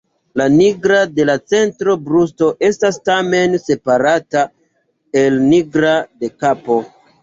La nigra de la centra brusto estas tamen separata el nigra de kapo.